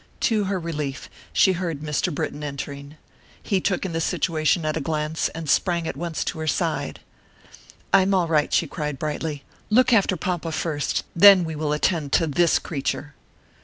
To her relief, she heard Mr. Britton entering. He took in the situation at a glance and sprang at once to her side. "I am all right," she cried, brightly; "look after papa, first; then we will attend to this creature."